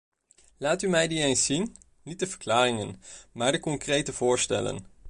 Laat u mij die eens zien; niet de verklaringen, maar de concrete voorstellen.